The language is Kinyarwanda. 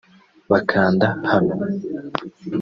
bakanda hano